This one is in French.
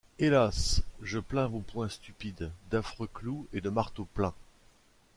Hélas! je plains vos poings stupides, D’affreux clous et de marteaux pleins !